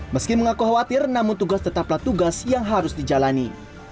meski mengaku khawatir namun tugas tetaplah tugas yang harus dijalani